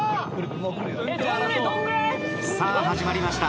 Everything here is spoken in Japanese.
さあ始まりました